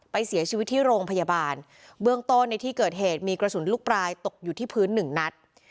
เสียชีวิตที่โรงพยาบาลเบื้องต้นในที่เกิดเหตุมีกระสุนลูกปลายตกอยู่ที่พื้นหนึ่งนัด